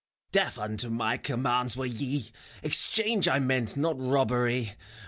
Deaf unto my commands were ye ! Exchange I meant, not robbery.